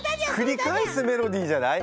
くり返すメロディーじゃない？